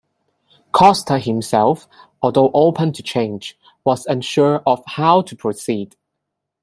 Costa himself, although open to change, was unsure of how to proceed.